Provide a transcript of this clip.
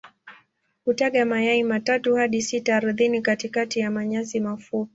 Hutaga mayai matatu hadi sita ardhini katikati ya manyasi mafupi.